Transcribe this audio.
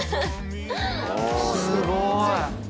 すごい。